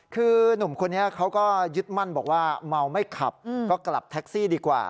คือหนุ่มคนนี้เขาก็ยึดมั่นบอกว่าเมาไม่ขับก็กลับแท็กซี่ดีกว่า